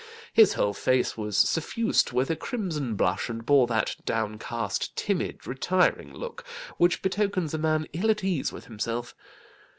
His whole face was suffused with a crimson blush, and bore that downcast, timid, retiring look, which betokens a man ill at ease with himself.